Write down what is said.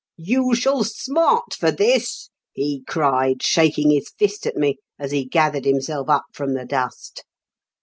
"* You shall smart for this !' he cried, shaking his fist at me, as he gathered himself up from the dust.